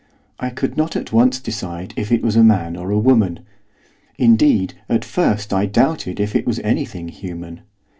I could not at once decide if it was a man or a woman. Indeed at first I doubted if it was anything human.